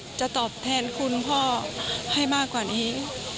จะตอบแทนคุณพ่อให้มากกว่านี้